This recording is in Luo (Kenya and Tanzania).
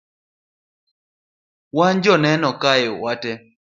wan joneno kae wate